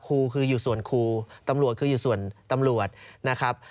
ครูคืออยู่ส่วนครูตำรวจคืออยู่ส่วนตำรวจนะครับ